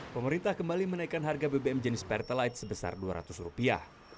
pemerintah kembali menaikkan harga bbm jenis pertalite sebesar dua ratus rupiah